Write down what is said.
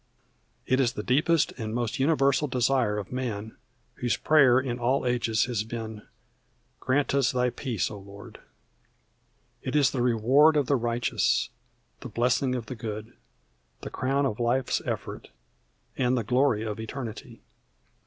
It is the deepest and most universal desire of man, whose prayer in all ages has been, "Grant us Thy Peace, O Lord." It is the reward of the righteous, the blessing of the good, the crown of life's effort, and the glory of eternity.